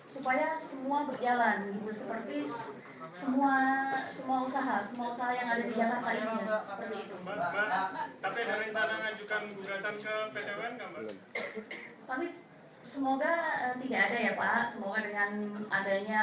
saya jawab tadi untuk pesangon ya